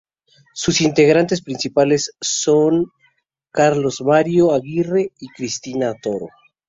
Sus integrantes principales son Carlos Mario Aguirre y Cristina Toro.